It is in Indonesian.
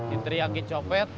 kita teriak ngi copet